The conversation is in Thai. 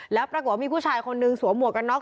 แล้วปรากฏว่ามีผู้ชายคนนึงสวมหวกกันน็อก